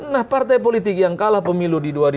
nah partai politik yang kalah pemilu di dua ribu dua puluh